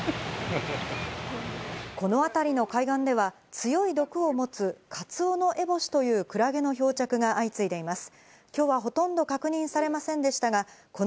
この辺りの海岸では、強い毒を持つカツオノエボシというクラゲの漂着が相次いでいます。